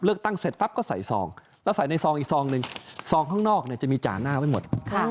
เลือกตั้งเสร็จปั๊บก็ใส่ซองแล้วใส่ในซองอีกซองหนึ่งซองข้างนอกเนี่ยจะมีจ่าหน้าไว้หมด